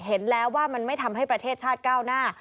เห็นแล้วว่ามันไม่ทำให้ประเทศชาติก้าวหน้า